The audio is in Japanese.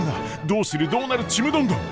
どうするどうなるちむどんどん！